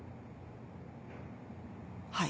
はい。